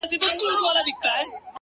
• د هغو لپاره یو دي څه دننه څه د باندي,